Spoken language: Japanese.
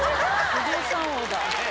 不動産王だ。